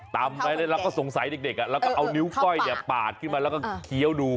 ตำไปแล้วเราก็สงสัยเด็กแล้วก็เอานิ้วก้อยปาดขึ้นมาแล้วก็เคี้ยวดู